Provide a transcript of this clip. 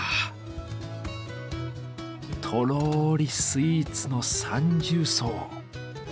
とろりスイーツの三重奏。